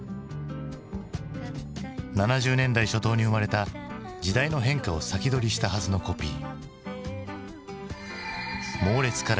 ７０年代初頭に生まれた時代の変化を先取りしたはずのコピー。